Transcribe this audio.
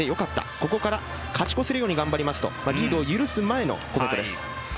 ここから勝ち越せるように頑張りますとリードを許す前のコメントです。